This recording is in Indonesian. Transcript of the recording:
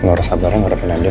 ngurus sabar ngurusin andin